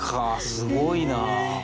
すごいな。